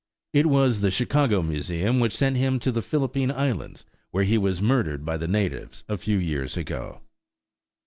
It was the Chicago Museum which sent him to the Philippine Islands, where he was murdered by the natives a few years ago.